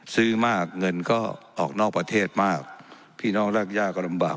ซื้อมากเงินก็ออกนอกประเทศมากพี่น้องรากย่าก็ลำบาก